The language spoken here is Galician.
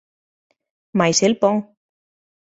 Mais el pon.